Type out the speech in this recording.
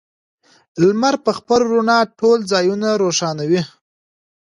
لمر په خپله رڼا ټول ځایونه روښانوي.